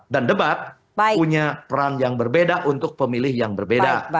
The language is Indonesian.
dan debat punya peran yang berbeda untuk pemilih yang berbeda